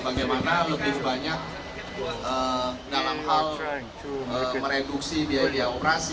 bagaimana lebih banyak dalam hal mereduksi biaya biaya operasi